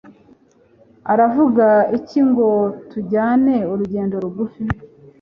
Uravuga iki ngo tujyane urugendo rugufi?